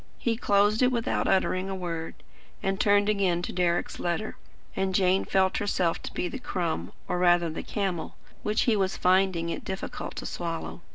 He closed it without uttering a word, and turned again to Deryck's letter; and Jane felt herself to be the crumb, or rather the camel, which he was finding it difficult to swallow.